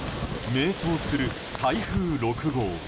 迷走する台風６号。